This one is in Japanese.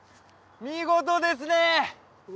見事ですね！